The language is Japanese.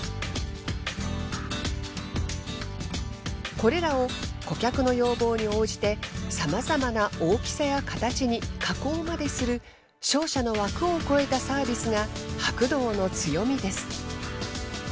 これらを顧客の要望に応じて様々な大きさや形に加工までする商社の枠を超えたサービスが白銅の強みです。